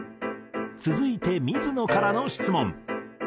続いて水野からの質問。